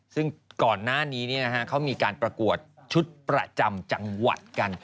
ซึ่งก่อนหน้านี้เขามีการประกวดชุดประจำจังหวัดกัน